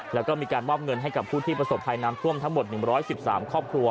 แล้วก็มีการมอบเงินให้กับผู้ที่ประสบภัยน้ำท่วมทั้งหมด๑๑๓ครอบครัว